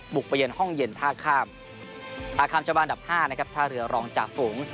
ไปเย็นห้องเย็นท่าข้ามท่าข้ามเจ้าบ้านอันดับ๕นะครับท่าเรือรองจ่าฝูง